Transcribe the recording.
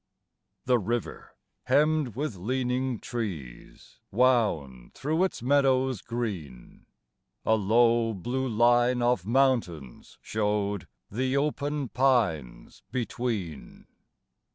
The river hemmed with leaning trees Wound through its meadows green; A low, blue line of mountains showed The open pines between.